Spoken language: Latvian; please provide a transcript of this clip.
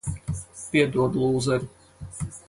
Piedod, lūzeri.